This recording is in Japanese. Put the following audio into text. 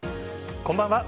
こんばんは。